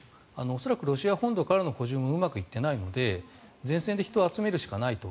恐らくロシア本土からの補充もうまくいっていないので前線で人を集めるしかないと。